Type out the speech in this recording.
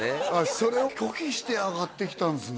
それを拒否して上がってきたんすね